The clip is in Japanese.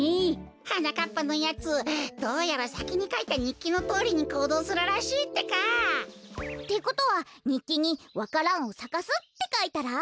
はなかっぱのやつどうやらさきにかいたにっきのとおりにこうどうするらしいってか。ってことはにっきに「わか蘭をさかす」ってかいたら？